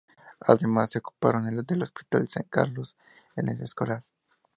Además, se ocuparon del Hospital de San Carlos de El Escorial.